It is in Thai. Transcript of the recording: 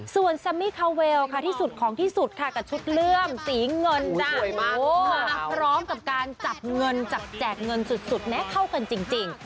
ส่วนแซมมี่คาเวลค่ะที่สุดของที่สุดค่ะกับชุดเลื่อมสีเงินจ้ะมาพร้อมกับการจับเงินจับแจกเงินสุดแม้เข้ากันจริง